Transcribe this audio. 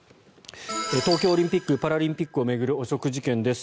東京オリンピック・パラリンピックを巡る汚職事件です。